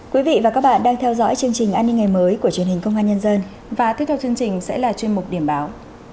quý vị và các bạn đang theo dõi chương trình an ninh ngày mới của truyền hình công an nhân dân và tiếp theo chương trình sẽ là chuyên mục điểm báo